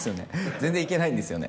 全然いけないんですよね。